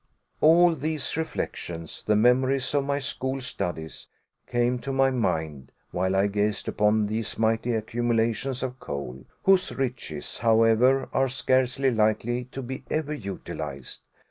All these reflections, the memories of my school studies, came to my mind while I gazed upon these mighty accumulations of coal, whose riches, however, are scarcely likely to be ever utilized.